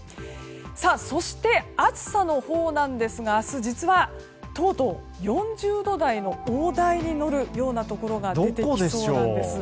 そして、暑さのほうなんですが明日、実はとうとう４０度台の大台に乗るようなところが出てきそうなんです。